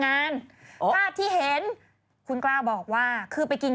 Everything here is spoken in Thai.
กล้าวมีเรียกรอบริม